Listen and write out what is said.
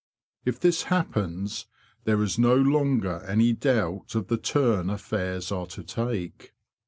If this happens, there is no longer any doubt of the turn affairs are to take.